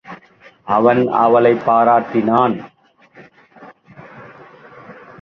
அவன் அவளைப் பாராட்டினான்.